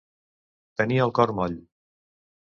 Tenir el cor moll.